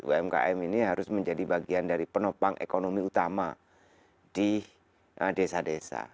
umkm ini harus menjadi bagian dari penopang ekonomi utama di desa desa